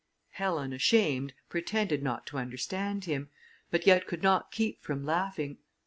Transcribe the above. Helen, ashamed, pretended not to understand him, but yet could not keep from laughing.